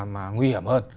mà nguy hiểm hơn